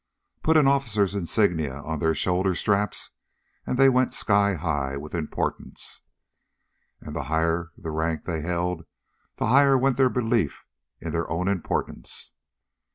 Put an officer's insignia on their shoulder straps and they went sky high with importance. And the higher the rank they held, the higher went their belief in their own importance.